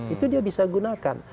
itu dia bisa gunakan